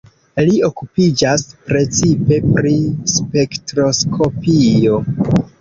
Li okupiĝas precipe pri spektroskopio.